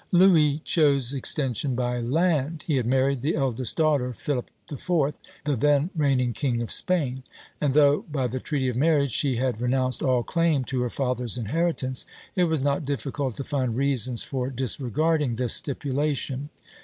Louis chose extension by land. He had married the eldest daughter of Philip IV., the then reigning king of Spain; and though by the treaty of marriage she had renounced all claim to her father's inheritance, it was not difficult to find reasons for disregarding this stipulation.